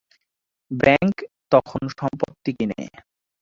Bank তখন সম্পত্তি কিনে।